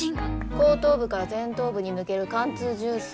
後頭部から前頭部に抜ける貫通銃創。